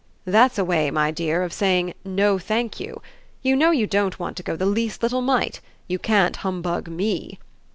"That's a way, my dear, of saying 'No, thank you!' You know you don't want to go the least little mite. You can't humbug ME!"